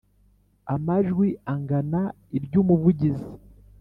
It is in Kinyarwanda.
Amajwi angana iry umuvugizi